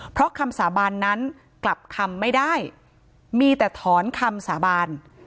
เพราะคำสาบานนั้นกลับคำไม่ได้มีแต่ถอนคำสาบาน